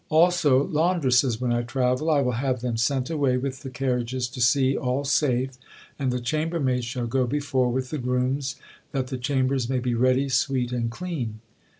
"Also, laundresses, when I travel; I will have them sent away with the carriages to see all safe, and the chambermaids shall go before with the grooms, that the chambers may be ready, sweet, and clean.